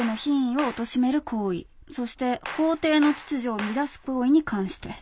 そして法廷の秩序を乱す行為に関して。